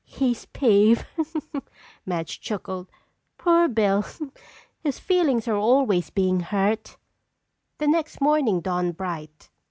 "He's peeved," Madge chuckled. "Poor Bill! His feelings are always being hurt." The next morning dawned bright.